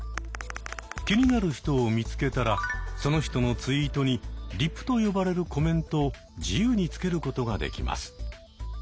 気になる人を見つけたらその人のツイートに「リプ」と呼ばれるコメントを自由につけることができます。